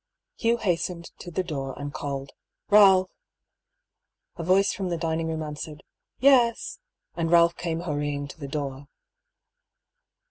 Hugh hastened to the door and called " Ealph." A voice from the dining room answered " Yes," and Ealph came hurrying to the door.